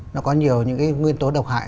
nó có nhiều nguyên tố độc hại